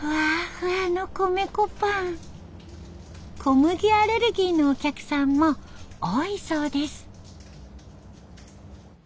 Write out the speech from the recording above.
小麦アレルギーのお客さんも多いそうです。